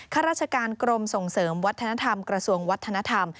ข้าราชการกรมส่งเสริมวัฒนธรรมกระทรวงวัฒนธรรม